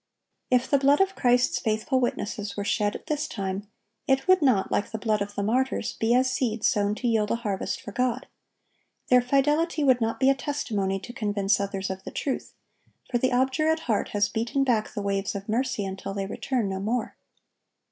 (1088) If the blood of Christ's faithful witnesses were shed at this time, it would not, like the blood of the martyrs, be as seed sown to yield a harvest for God. Their fidelity would not be a testimony to convince others of the truth; for the obdurate heart has beaten back the waves of mercy until they return no more.